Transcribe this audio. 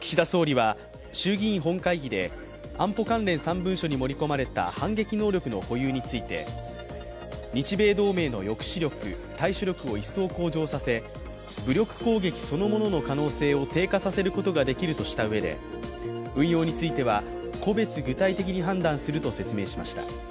岸田総理は衆議院本会議で安保関連３文書に盛り込まれた反撃能力の保有について日米同盟の抑止力・対処力を一層向上させ、武力攻撃そのものの可能性を低下させることができるとしたうえで運用については、個別具体的に判断すると説明しました。